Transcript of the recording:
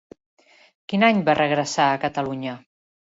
Quin any va regressar a Catalunya?